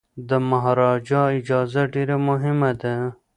د مهاراجا اجازه ډیره مهمه ده.